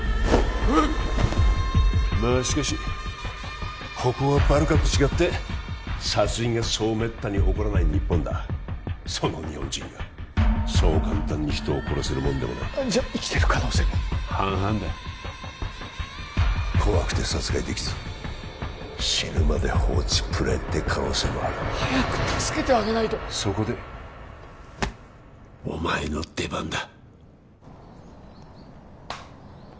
しかしここはバルカと違って殺人がそうめったに起こらない日本だその日本人がそう簡単に人を殺せるもんでもないじゃ生きてる可能性も半々だ怖くて殺害できず死ぬまで放置プレイって可能性もある早く助けてあげないとそこでお前の出番だ